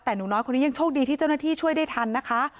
แต่หนูน้อยคนนี้ยังโชคดีที่เจ้าหน้าที่ช่วยได้ทันนะคะ